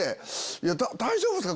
大丈夫ですか？